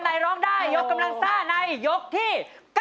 ร้องได้ยกกำลังซ่าในยกที่๙